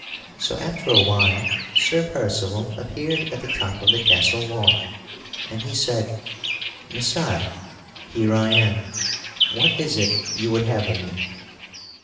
So after a while Sir Percival appeared at the top of the castle wall, and he said: "Messire, here I am; what is it you would have of me?"